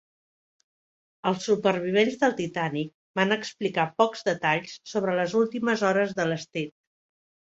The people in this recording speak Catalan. Els supervivents del "Titanic" van explicar pocs detalls sobre les últimes hores de l"Stead.